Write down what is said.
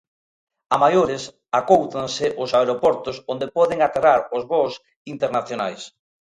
A maiores, acóutanse os aeroportos onde poden aterrar os voos internacionais.